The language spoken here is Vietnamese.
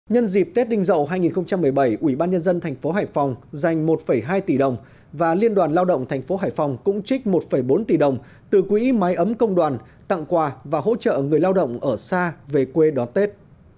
nhân dịp tết đinh dậu hai nghìn một mươi bảy ubnd tp hải phòng dành một hai tỷ đồng và liên đoàn lao động tp hải phòng cũng trích một bốn tỷ đồng từ quỹ mái ấm công đoàn tặng quà và hỗ trợ người lao động ở xa về quê đón tết